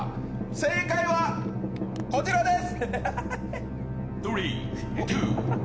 正解は、こちらです！